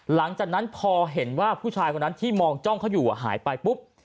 หลังจากนั้นพอเห็นว่าผู้ชายคนนั้นที่มองจ้องเขาอยู่หายไปปุ๊บ